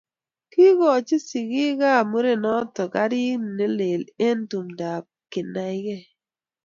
Kiikoch sikikab murerenoto garit ne lel eng tumdap kenaikei